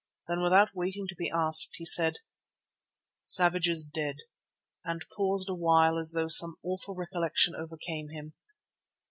Then without waiting to be asked, he said: "Savage is dead," and paused a while as though some awful recollection overcame him.